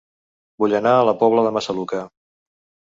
Vull anar a La Pobla de Massaluca